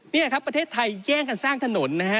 นี่ครับประเทศไทยแย่งกันสร้างถนนนะฮะ